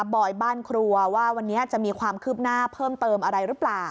บอยบ้านครัวว่าวันนี้จะมีความคืบหน้าเพิ่มเติมอะไรหรือเปล่า